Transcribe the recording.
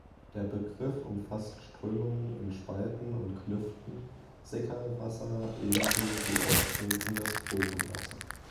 Der Begriff umfasst Strömungen in Spalten und Klüften, Sickerwasser ebenso wie austretendes Porenwasser.